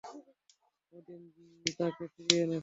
ওদিন তাঁকে ফিরিয়ে এনেছেন।